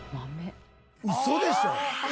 ウソでしょ！？